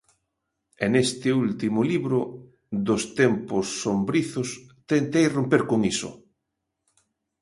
E neste último libro, Dos tempos sombrizos, tentei romper con iso.